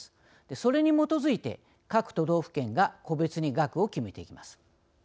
それに基づいて、各都道府県が個別に額を決めていきます。